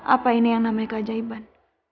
apa ini yang namanya keajaiban